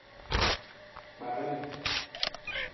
Kparan.